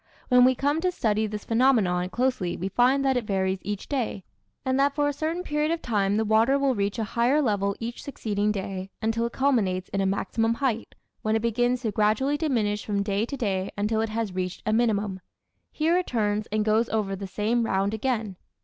When we come to study this phenomenon closely we find that it varies each day, and that for a certain period of time the water will reach a higher level each succeeding day until it culminates in a maximum height, when it begins to gradually diminish from day to day until it has reached a minimum. Here it turns and goes over the same round again.